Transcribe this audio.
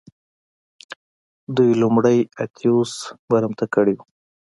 دوی لومړی اتیوس برمته کړی و